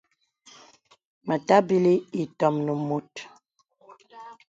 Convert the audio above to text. Mə tàbìlī itōm nə mùt.